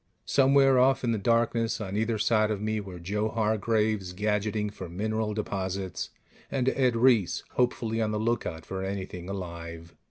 Somewhere off in the darkness on either side of me were Joe Hargraves, gadgeting for mineral deposits, and Ed Reiss, hopefully on the lookout for anything alive.